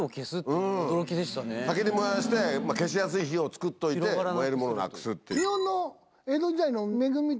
先に燃やして消しやすい火を作っといて燃えるものなくすっていう。